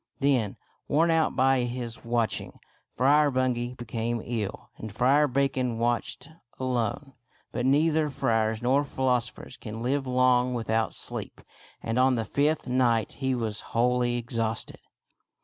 Then, worn out by his watching, Friar Bungay be came ill and Friar Bacon watched alone. But neither friars nor philosophers can live long without sleep, and on the fifth night he was wholly ex hausted.